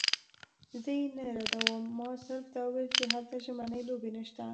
زه یې نه ردوم، ما صرف دا ویل چې هلته ژمنۍ لوبې نشته.